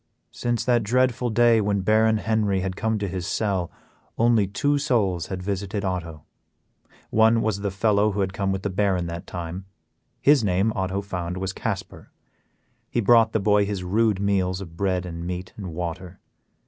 Since that dreadful day when Baron Henry had come to his cell, only two souls had visited Otto. One was the fellow who had come with the Baron that time; his name, Otto found, was Casper. He brought the boy his rude meals of bread and meat and water.